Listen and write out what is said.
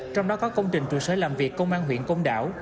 trong đó có công trình trụ sở làm việc công an huyện công đảo